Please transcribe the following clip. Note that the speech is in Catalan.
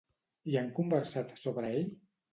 I han conversat sobre ell?